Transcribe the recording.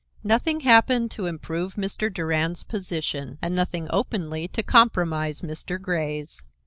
Nothing happened to improve Mr. Durand's position, and nothing openly to compromise Mr. Grey's.